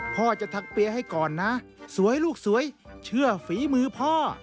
พ่อจะทักเปียให้ก่อนนะสวยลูกสวยเชื่อฝีมือพ่อ